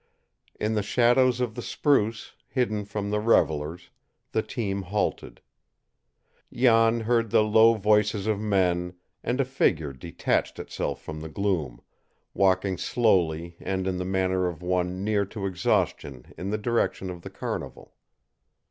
In the shadows of the spruce, hidden from the revelers, the team halted. Jan heard the low voices of men, and a figure detached itself from the gloom, walking slowly and in the manner of one near to exhaustion in the direction of the carnival.